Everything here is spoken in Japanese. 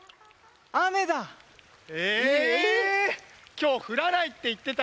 きょうふらないっていってたのに！